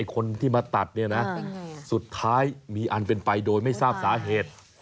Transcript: คนที่มาตัดเนี่ยนะสุดท้ายมีอันเป็นไปโดยไม่ทราบสาเหตุ